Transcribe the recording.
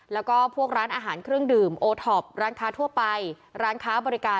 แล้วก็พวกร้านอาหารเครื่องดื่มโอท็อปร้านค้าทั่วไปร้านค้าบริการ